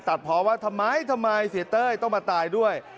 ตัดเพราะว่าทำไมทำไมเสียเต้ยต้องมาตายด้วย